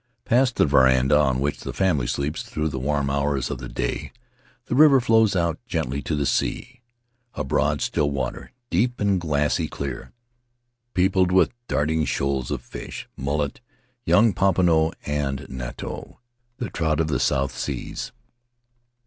Past the veranda, on which the family sleeps through the warm hours of the day, the river flows out gently to the sea; a broad, still water, deep and glassy clear, peopled with darting shoals of fish — mullet, young pampano, and nato, the trout of the South Seas.